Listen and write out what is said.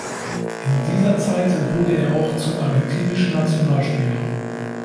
In dieser Zeit wurde er auch zum argentinischen Nationalspieler.